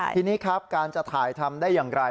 ทีนี้ครับการจะถ่ายทำได้อย่างไร